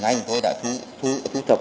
ngay hình tôi đã thu thập